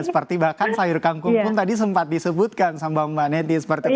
seperti bahkan sayur kangkung pun tadi sempat disebutkan sama mbak neti seperti itu